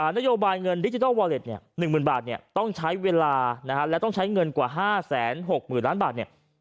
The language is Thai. นโยบายเงินดิจิทัลวอเล็ต๑๐๐๐บาทต้องใช้เวลาและต้องใช้เงินกว่า๕๖๐๐๐ล้านบาทเนี่ย